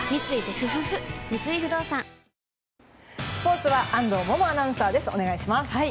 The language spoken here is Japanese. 三井不動産スポーツは安藤萌々アナウンサーです。